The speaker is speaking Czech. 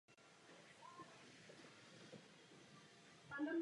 Hradní zřícenina byla v době první světové války značně poškozena.